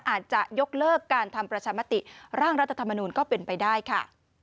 อาจจะยกเลิกการทำประชามติร่างรัฐธรรมนูลก็เป็นไปได้ค่ะ